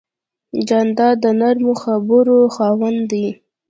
جانداد د نرمو خبرو خاوند دی.